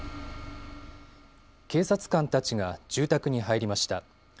警察官たちが住宅に入りました。